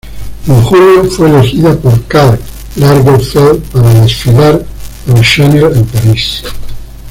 En julio fue elegida por Karl Lagerfeld para desfilar para Chanel en París.